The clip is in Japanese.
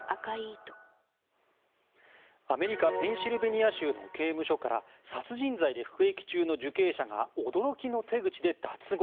アメリカペンシルベニア州の刑務所から殺人罪で服役中の受刑者が驚きの手口で脱獄。